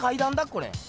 これ。